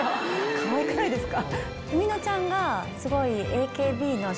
かわいくないですか？